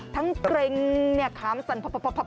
ทั้งเกรงเนี่ยค้ามสั่น